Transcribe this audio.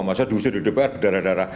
maksudnya justru dideper berdarah darah